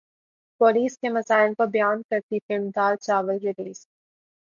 police کے مسائل کو بیان کرتی فلم دال چاول ریلیز